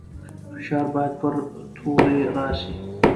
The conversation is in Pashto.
فشار باید پر توري راسي.